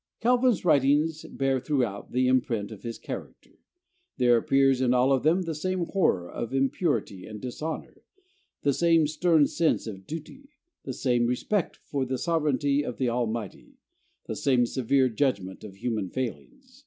Calvin's writings bear throughout the imprint of his character. There appears in all of them the same horror of impurity and dishonor, the same stern sense of duty, the same respect for the sovereignty of the Almighty, the same severe judgment of human failings.